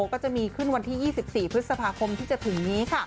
ก็จะมีขึ้นวันที่๒๔พฤษภาคมที่จะถึงนี้